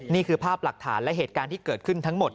นี่คือภาพหลักฐานและเหตุการณ์ที่เกิดขึ้นทั้งหมด